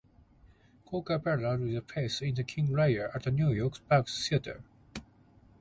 Cooke appeared with Payne in "King Lear" at New York's Park Theatre.